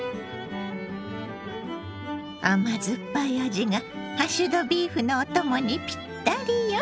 甘酸っぱい味がハッシュドビーフのお供にぴったりよ。